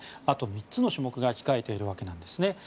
あと３つの種目が控えているわけです。